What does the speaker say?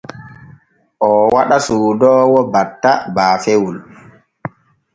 Oo waɗa soodoowo batta baafewol.